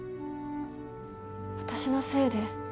私のせいで